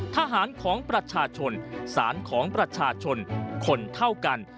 ทหารของประชาชนสารของประชาชนคนเท่ากัน